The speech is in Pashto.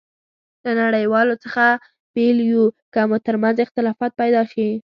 له نړیوالو څخه بېل یو، که مو ترمنځ اختلافات پيدا شي.